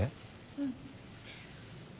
うん。